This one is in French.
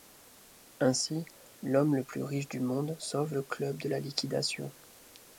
Ainsi, l'homme le plus riche du monde sauve le club de la liquidation.